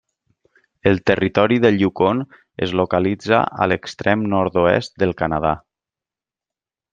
El territori del Yukon es localitza a l'extrem nord-oest del Canadà.